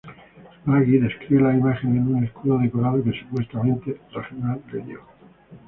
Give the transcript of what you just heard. Bragi describe las imágenes en un escudo decorado que, supuestamente, Ragnar le dio.